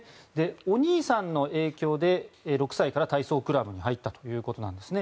お兄さんの影響で６歳から体操クラブに入ったということなんですね。